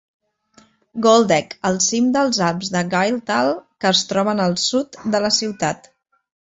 Goldeck, el cim dels Alps de Gailtal que es troben al sud de la ciutat.